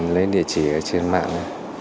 lấy địa chỉ ở trên mạng